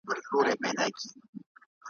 د سروګلونو غوټۍ به واسي ,